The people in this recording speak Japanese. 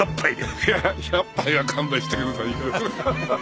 いや１００杯は勘弁してください。